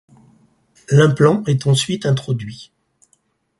L'implant est ensuite introduit.